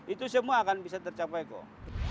itu semua akan bisa tercapai kok